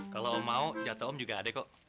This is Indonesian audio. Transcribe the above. kalau om mau jatoh om juga ada kok